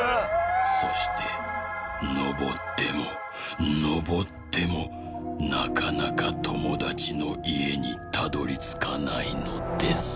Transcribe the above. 「そしてのぼってものぼってもなかなかともだちのいえにたどりつかないのです」。